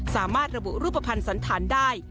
สามารถระบุรูปภัณฑ์สันธารได้